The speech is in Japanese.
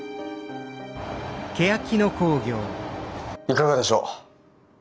いかがでしょう？